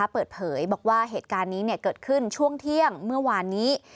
เปิดเผยบอกว่าเหตุการณ์นี้เกิดขึ้นช่วงเที่ยงเมื่อวานนี้